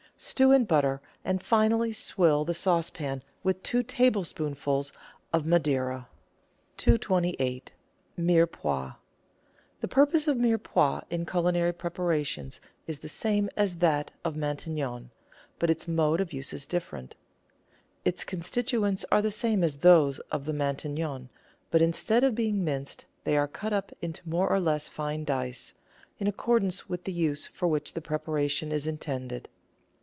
Stew in butter, and finally swill the saucepan with two tablespoonfuls of Madeira. 228— MIREPOIX The purpose of Mirepoix in culinary preparations is the same as that of Matignon, but its mode of use is different. Its constituents are the same as those of the Matignon, but instead of being minced they are cut up into more or less fine dice, in accordance with the use for which the preparation is intended.